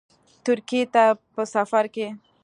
ترکیې ته په سفرکې